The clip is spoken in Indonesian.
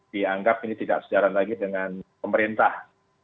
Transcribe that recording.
dianggap ini tidak sejalan lagi dengan pemerintah